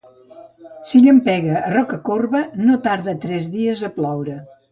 Si llampega a Rocacorba, no tarda tres dies a ploure.